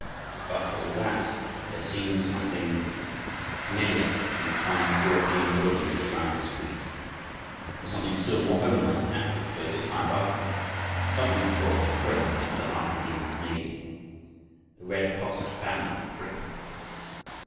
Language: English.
But for all that there seemed something familiar in the fine European buildings that lined the streets, and something still more homelike in that which floated high above them something that brought a thrill to the heart of the young Canadian the red crossed banner of Britain!